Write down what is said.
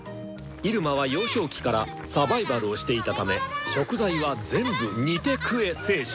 イルマは幼少期からサバイバルをしていたため食材は全部煮て食え精神。